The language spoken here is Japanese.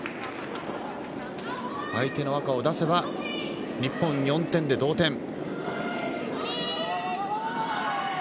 相手の赤を出せば、日本４点で同点。